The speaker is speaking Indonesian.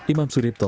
imam suripto tegal